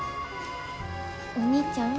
お兄ちゃん？